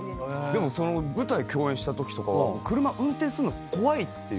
でも舞台共演したときとかは車運転するの怖いって言ってて。